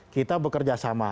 kita bekerja sama